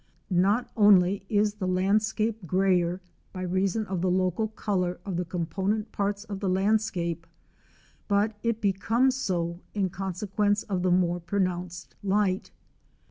Not only is the landscape greyer by reason of the local colour of the component parts of the landscape, but it becomes so in consequence of the more pronounced light.